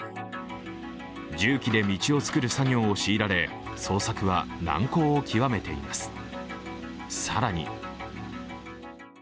重機で道を造る作業を強いられ、捜索は難航を極めています。